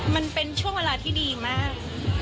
มันเป็นช่วงเวลาที่ดีมาก